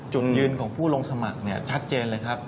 จุดยืนของผู้ลงสมัครเนี่ยชัดเจนเลยครับ